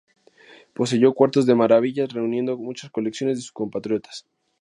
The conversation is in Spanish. Poseyó cuartos de maravillas, reuniendo muchas colecciones de sus compatriotas.